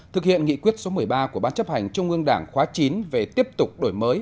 thực hiện nghị quyết số một mươi ba của ban chấp hành trung ương đảng khóa chín về tiếp tục đổi mới